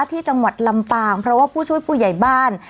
ที่จังหวัดลำปางเพราะว่าผู้ช่วยผู้ใหญ่บ้าน